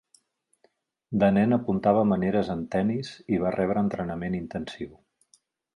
De nen apuntava maneres en tennis i va rebre entrenament intensiu.